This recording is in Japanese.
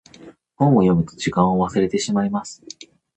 本を読むと時間を忘れてしまいます。